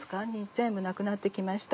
全部なくなって来ました。